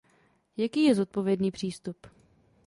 Jaký je zodpovědný přístup?